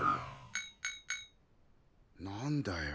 何だよ。